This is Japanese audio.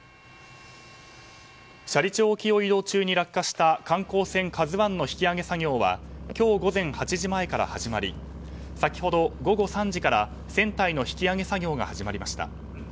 斜里町沖を移動中に落下した観光船「ＫＡＺＵ１」の引き揚げ作業は今日午前８時前から始まり先ほど、午後３時から船体の引き揚げ作業が始まりました。